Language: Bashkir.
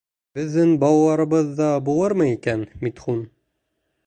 — Беҙҙең балаларыбыҙ ҙа булырмы икән, Митхун?